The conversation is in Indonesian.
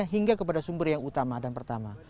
hingga kepada sumber yang utama dan pertama